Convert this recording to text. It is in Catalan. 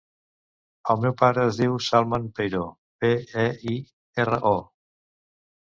El meu pare es diu Salman Peiro: pe, e, i, erra, o.